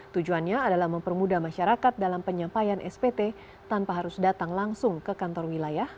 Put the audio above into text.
tujuannya adalah mempermudah masyarakat dalam penyampaian spt tanpa harus datang langsung ke kantor wilayah